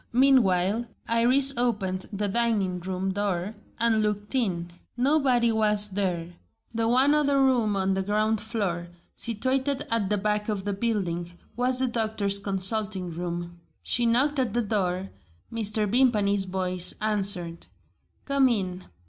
Meanwhile, Iris opened the dining room door and looked in. Nobody was there. The one other room on the ground floor, situated at the back of the building, was the doctor's consulting room. She knocked at the door. Mr. Vimpany's voice answered: "Come in."